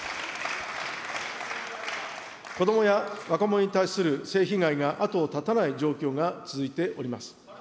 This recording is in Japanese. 子どもや若者に対する性被害が後を絶たない状況が続いております。